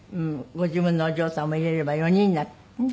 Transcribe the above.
ご自分のお嬢さんも入れれば４人になって。